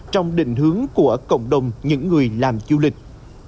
trong định hướng của cộng đồng những người làm du lịch